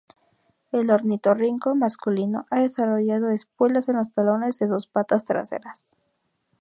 El ornitorrinco masculino ha desarrollado espuelas en los talones de sus patas traseras.